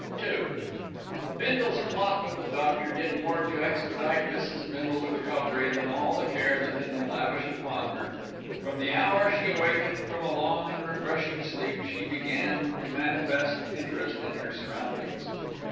II Bindle's plot with the doctor did more to expedite Mrs. Bindle's recovery than all the care that had been lavished upon her. From the hour she awakened from a long and refreshing sleep, she began to manifest interest in her surroundings.